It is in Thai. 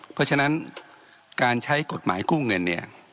เพราะฉะนั้นการใช้กฎหมายกู้เงินเนี่ย